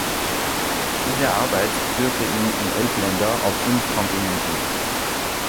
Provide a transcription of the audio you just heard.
Diese Arbeit führte ihn in elf Länder auf fünf Kontinenten.